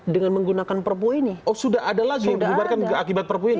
dengan menggunakan perpu ini